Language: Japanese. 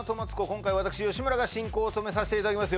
今回私吉村が進行を務めさせていただきます